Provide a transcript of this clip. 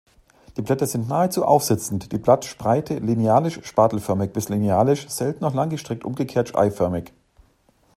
Die Blätter sind nahezu aufsitzend, die Blattspreite linealisch-spatelförmig bis linealisch, selten auch langgestreckt-umgekehrt eiförmig.